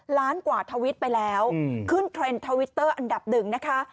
ล้านกว่าทวิตไปแล้วขึ้นเทรนด์ทวิตเตอร์อันดับหนึ่งนะคะ